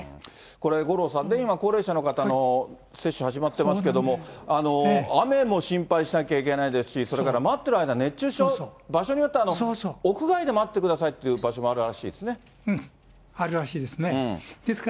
これ、五郎さんね、今、高齢者の方の接種が始まってますけども、雨も心配しなきゃいけないですし、それから待っている間、熱中症、場所によっては屋外で待ってくださいっていう場所もあるらしいであるらしいですね。